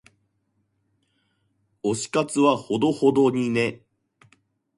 推し活はほどほどにね。